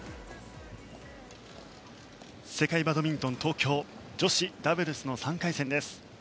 世界バドミントン東京女子ダブルスの３回戦です。